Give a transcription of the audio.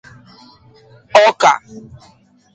ọka